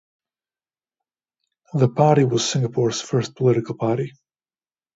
The party was Singapore's first political party.